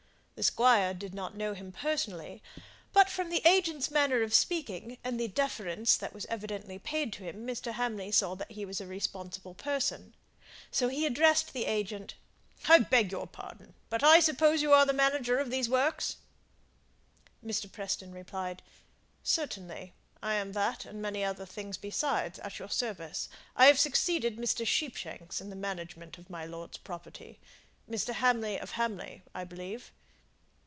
The Squire did not know him personally, but from the agent's manner of speaking, and the deference that was evidently paid to him, Mr. Hamley saw that he was a responsible person. So he addressed the agent: "I beg your pardon, I suppose you are the manager of these works?" Mr. Preston replied, "Certainly. I am that and many other things besides, at your service. I have succeeded Mr. Sheepshanks in the management of my lord's property. Mr. Hamley of Hamley, I believe?"